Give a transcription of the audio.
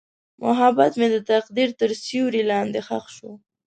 محبت مې د تقدیر تر سیوري لاندې ښخ شو.